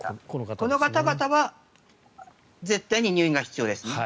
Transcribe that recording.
この方々は絶対に入院が必要です。